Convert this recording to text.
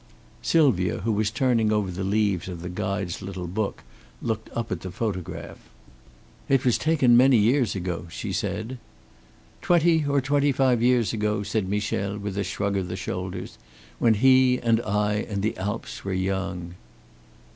Sylvia, who was turning over the leaves of the guide's little book, looked up at the photograph. "It was taken many years ago," she said. "Twenty or twenty five years ago," said Michel, with a shrug of the shoulders, "when he and I and the Alps were young."